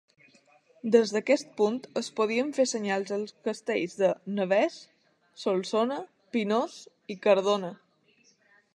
Des d'aquest punt es podien fer senyals als castells de Navès, Solsona, Pinós i Cardona.